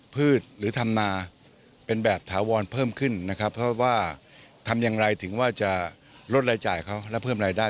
พืชหรือทำนาเป็นแบบถาวรเพิ่มขึ้นนะครับเพราะว่าทำอย่างไรถึงว่าจะลดรายจ่ายเขาและเพิ่มรายได้